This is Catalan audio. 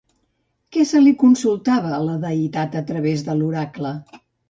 Què se li consultava a la deïtat a través de l'oracle?